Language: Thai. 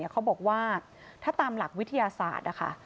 เขาบอกว่าถ้าตามหลักวิทยาศาสตร์นะคะ